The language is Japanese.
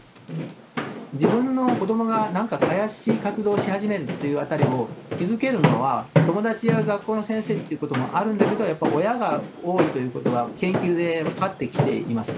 自分の子どもが、なんか怪しい活動し始めるというあたりを、気付けるのは、友達や学校の先生ということもあるんだけど、やっぱり親が多いということが、研究で分かってきています。